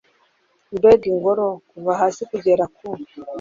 mbega ingoro, kuva hasi kugeza ku